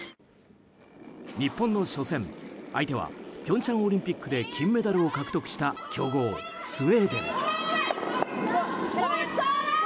日本の初戦相手は平昌オリンピックで金メダルを獲得した強豪スウェーデン。